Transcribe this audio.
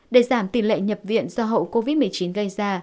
để giảm tỷ lệ nhập viện do hậu covid một mươi chín gây ra